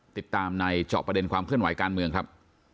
ติดตามในเจาะประเด็นความเคลื่อนไหวการเมืองครับ